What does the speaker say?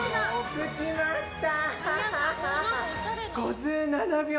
着きました！